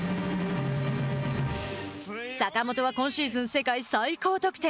坂本は今シーズン世界最高得点。